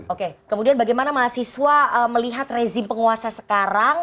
oke kemudian bagaimana mahasiswa melihat rezim penguasa sekarang